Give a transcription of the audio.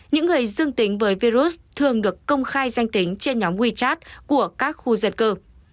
những người dương tính với virus thường được công khai danh tính trên nhóm wechat của các khu dân cư